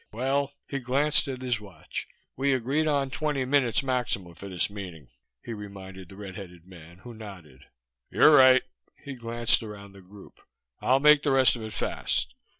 Well." He glanced at his watch. "We agreed on twenty minutes maximum for this meeting," he reminded the red headed man, who nodded. "You're right." He glanced around the group. "I'll make the rest of it fast.